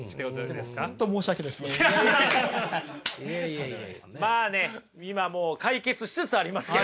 でも本当まあね今もう解決しつつありますけれども。